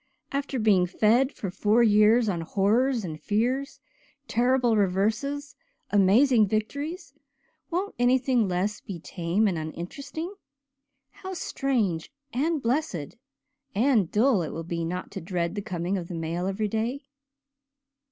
After being fed for four years on horrors and fears, terrible reverses, amazing victories, won't anything less be tame and uninteresting? How strange and blessed and dull it will be not to dread the coming of the mail every day."